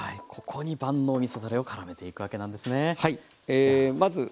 ここに万能みそだれをからめていくわけなんですね。